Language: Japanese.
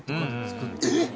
えっ！